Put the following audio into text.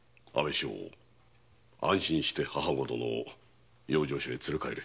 将翁安心して母上を養生所へ連れ帰れ。